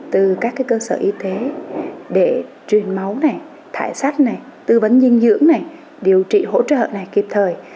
từ các cơ sở y tế để truyền máu thải sát tư vấn dinh dưỡng điều trị hỗ trợ kịp thời